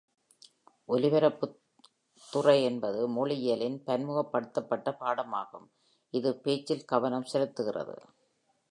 ஒலிப்புத் துறை என்பது மொழியியலின் பன்முகப்படுத்தப்பட்ட பாடமாகும், இது பேச்சில் கவனம் செலுத்துகிறது.